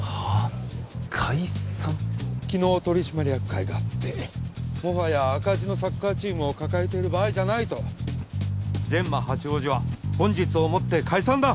昨日取締役会があってもはや赤字のサッカーチームを抱えている場合じゃないとジェンマ八王子は本日をもって解散だ！